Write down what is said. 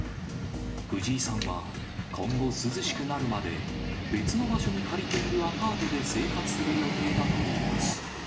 藤井さんは、今後、涼しくなるまで別の場所に借りているアパートで生活する予定だといいます。